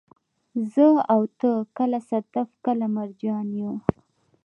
زه او ته، کله صدف، کله مرجان يو